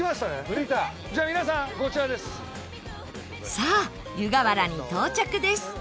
さあ、湯河原に到着です